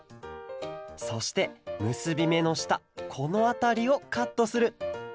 そしてむすびめのしたこのあたりをカットする。